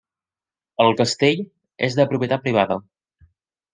El castell és de propietat privada.